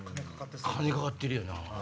金かかってるよな。